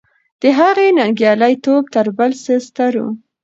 د هغې ننګیالی توب تر بل څه ستر و.